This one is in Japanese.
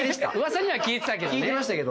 噂には聞いてたけどね。